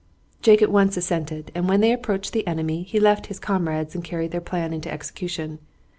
Jake at once assented, and when they approached the enemy he left his comrades and carried their plan into execution.